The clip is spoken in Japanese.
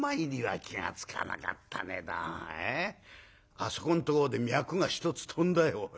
あそこんとこで脈が１つ飛んだよ。